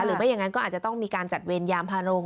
ไม่อย่างนั้นก็อาจจะต้องมีการจัดเวรยามพาลง